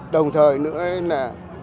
đồng thời nữa là